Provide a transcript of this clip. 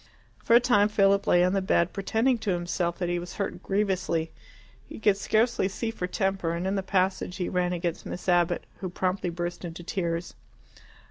For a time Philip lay on the bed, pretending to himself that he was hurt grievously. He could scarcely see for temper, and in the passage he ran against Miss Abbott, who promptly burst into tears.